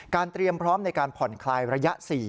เตรียมพร้อมในการผ่อนคลายระยะ๔